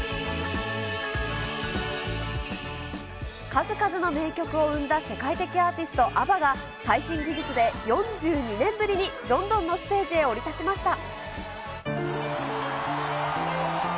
数々の名曲を生んだ世界的アーティスト、アバが最新技術で４２年ぶりにロンドンのステージに降り立ちました。